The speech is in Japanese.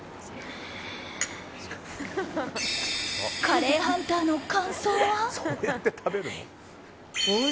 カレーハンターの感想は？